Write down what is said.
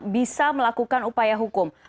bisa melakukan upaya hukum